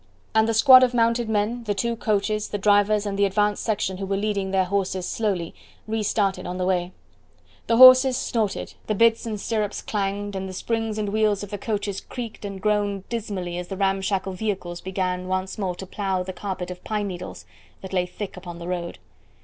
And the squad of mounted men, the two coaches, the drivers and the advance section who were leading their horses slowly restarted on the way. The horses snorted, the bits and stirrups clanged, and the springs and wheels of the coaches creaked and groaned dismally as the ramshackle vehicles began once more to plough the carpet of pine needles that lay thick upon the road.